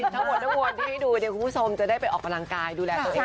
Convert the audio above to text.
ทั้งหมดทั้งมวลที่ให้ดูเนี่ยคุณผู้ชมจะได้ไปออกกำลังกายดูแลตัวเอง